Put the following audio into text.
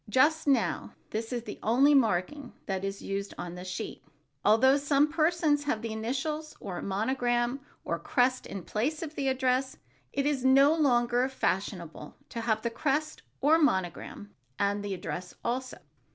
Just now, this is the only marking that is used on the sheet, although some persons have the initials or monogram, or crest, in place of the address. It is no longer fashionable to have the crest or monogram and the address also.